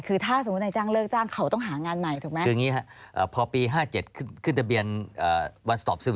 คือถ้าสมมุติในจ้างเลิกจ้างเขาต้องหางานใหม่ถูกไหม